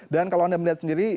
dan kalau anda melihat sendiri